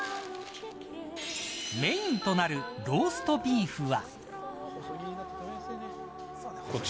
メーンとなるローストビーフは。